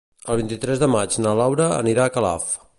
El vint-i-tres de maig na Laura anirà a Calaf.